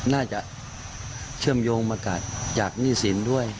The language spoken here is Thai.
น่าจะเชื่อมโยงมากัดจากหนี้สินด้วย